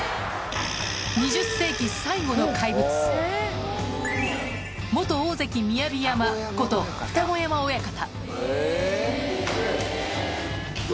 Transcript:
２０世紀最後の怪物、元大関・雅山こと二子山親方。